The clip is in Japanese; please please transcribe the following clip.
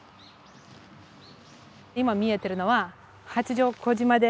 今見えてるのは八丈小島です。